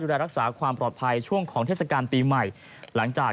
บินไทยบินไทยสุวารีโคศกคณะรักษาความสมบัติแห่งชาติ